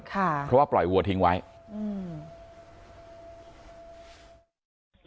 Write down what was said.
ค่ะเพราะว่าปล่อยวัวทิ้งไว้อืม